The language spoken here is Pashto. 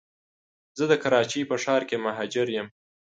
زه د کراچی په ښار کي مهاجر یم